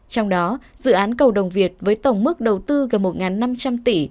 trong đó dự án cầu đồng việt với tổng mức đầu tư gần một năm trăm linh tỷ